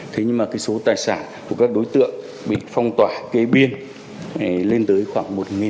thế nhưng mà số tài sản của các đối tượng bị phong tỏa cây biên lên tới khoảng một tỷ